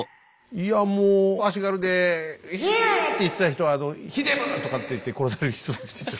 いやもう足軽で「ヒャー！」って言ってた人は「ひでぶっ！」とか言って殺される人たちでしょ？